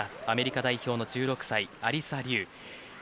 アメリカ代表の１６歳アリサ・リウ。